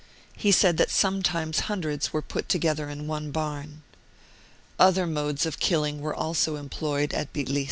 He said that sometimes hundreds were put together in one barn. Other modes of killing were also em ployed (at Bitlis).